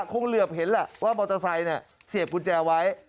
คงเหลือบเห็นแหละว่ามอเตอร์ไซค์เสียบกุญแจไว้